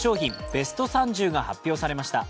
ベスト３０が発表されました。